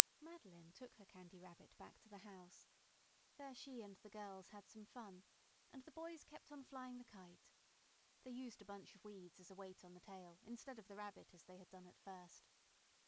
Madeline took her Candy Rabbit back to the house. There she and the girls had some fun, and the boys kept on flying the kite. They used a bunch of weeds as a weight on the tail, instead of the Rabbit, as they had done at first.